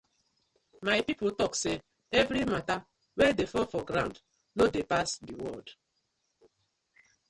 My pipu tok say everi matta wey dey fall for ground no dey pass the world.